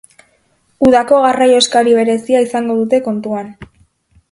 Udako garraio eskari berezia izango dute kontuan.